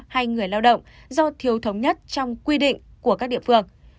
hay người lao động do thiếu thống nhất trong quy định của các địa phương